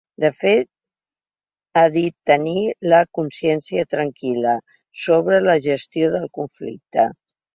De fet, ha dit tenir la “consciència tranquil·la” sobre la gestió del conflicte.